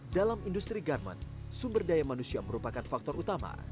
dalam industri garmen sumber daya manusia merupakan faktor utama